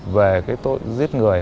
về cái tội giết người